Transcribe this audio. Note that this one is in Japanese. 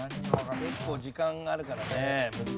結構時間があるからね。